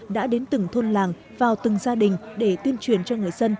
đã đến từng thôn làng vào từng gia đình để tuyên truyền cho người dân